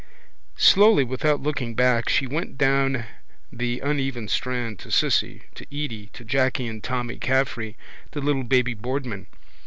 Slowly, without looking back she went down the uneven strand to Cissy, to Edy to Jacky and Tommy Caffrey, to little baby Boardman.